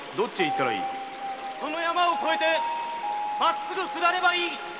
この山を越えてまっすぐ下ればいい